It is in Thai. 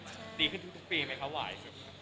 ดีขึ้นทุกปีไหมคะไหว